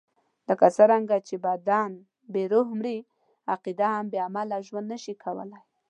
لکه څنګه چې بدن بې روح مري، عقیده هم بې عمله ژوند نشي کولای.